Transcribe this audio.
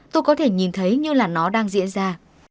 tôi có thể nhìn thấy như là nó đang diễn ra